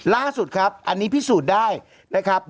ล่าสุดครับอันนี้พิสูจน์ได้นะครับ